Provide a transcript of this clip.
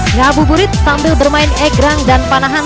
nggak buburit sambil bermain egrang dan panahan